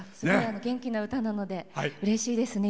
元気な歌なのでうれしいですね。